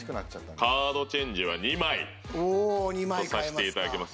カードチェンジは２枚とさせていただきます。